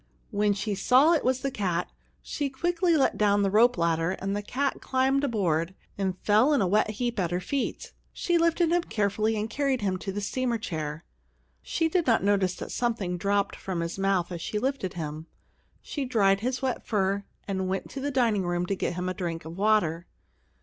When she saw it was the cat, she quickly let down the rope ladder, and the cat climbed aboard, and fell in a wet heap at her feet. She lifted him carefully and carried him to the steamer chair. She did not notice that something dropped from his mouth as she lifted him. She dried his wet fur, and went to the dining room to get him a drink of water.